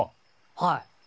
はい。